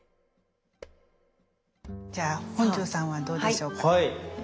じゃあ本上さんはどうでしょうか？